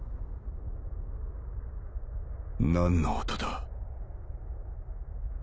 何の音だ？